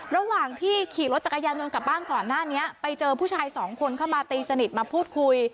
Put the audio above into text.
ระหว่างที่ขี่รถจักรยานยนต์กลับบ้านก่อนหน้านี้ไปเจอผู้ชายสองคนเข้ามาตีสนิทมาพูดคุย